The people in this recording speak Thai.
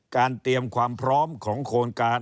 เตรียมความพร้อมของโครงการ